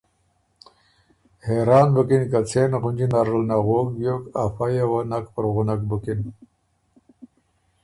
حېران بُکِن که څېن غُنجی نرل نغوک بیوک افئ یه وه نک پُرغُنک بُکِن